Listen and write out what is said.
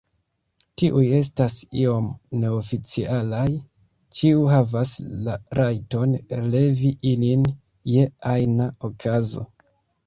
Tiuj estas iom neoficialaj, ĉiu havas la rajton levi ilin je ajna okazo.